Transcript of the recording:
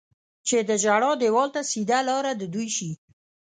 چې د ژړا دېوال ته سیده لاره د دوی شي.